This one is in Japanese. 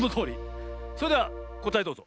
それではこたえどうぞ。